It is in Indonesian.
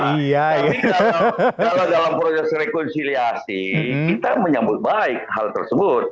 nah ini kalau dalam proses rekonsiliasi kita menyambut baik hal tersebut